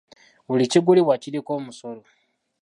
Buli kigulibwa kiriko omusolo.